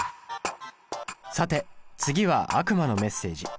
さて次は悪魔のメッセージ。